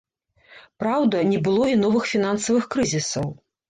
Праўда, не было і новых фінансавых крызісаў.